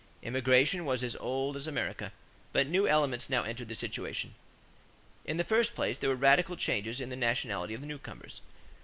Immigration was as old as America but new elements now entered the situation. In the first place, there were radical changes in the nationality of the newcomers.